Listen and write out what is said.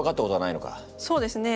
そうですね。